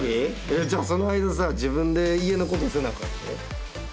じゃあその間さ自分で家のことせなあかんで。